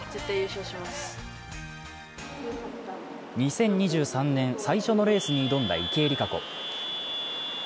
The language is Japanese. ２０２３年最初のレースに挑んだ池江璃花子。